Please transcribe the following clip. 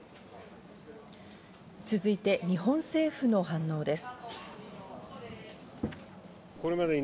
続いて、日本政府の反応です。